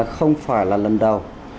không phải là lần đầu